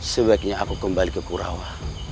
sebaiknya aku kembali ke purawa